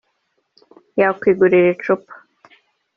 yakwigurira icupa”